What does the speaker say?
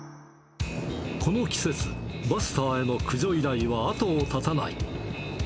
この季節、バスターへの駆除依頼は後を絶たない。